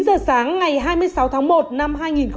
chín giờ sáng ngày hai mươi sáu tháng một năm hai nghìn một mươi hai